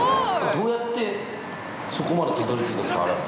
どうやって、そこまでたどり着いたんですか。